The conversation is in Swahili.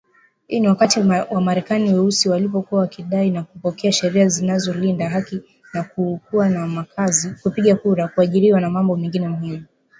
Hii ni wakati Wamarekani Weusi walipokuwa wakidai na kupokea sheria zinazolinda haki za kuwa na makazi, kupiga kura, kuajiriwa, na mambo mengine muhimu